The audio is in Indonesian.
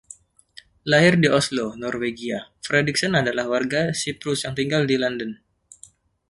Lahir di Oslo, Norwegia, Fredriksen adalah warga Siprus yang tinggal di London.